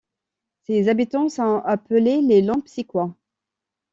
Ses habitants sont appelés les Lempsiquois.